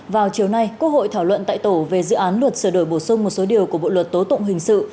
vào chiều nay quốc hội thảo luận tại tổ về dự án luật sửa đổi bổ sung một số điều của bộ luật tố tụng hình sự